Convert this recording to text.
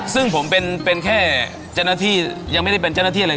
สิ่งผมเป็นแค่จัฏฐี่ยังไม่ได้เป็นจะอาที่อะไร